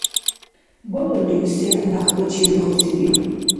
Балулрив сен хӀу някъбачив вихусирил?